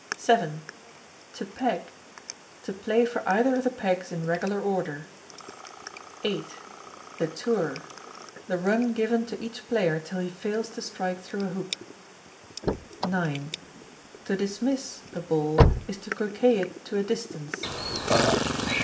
vii. To Peg. To play for either of the pegs in regular order. viii. The Tour. The run given to each player till he fails to strike through a hoop. ix. To Dismiss a ball is to Croquet it to a distance.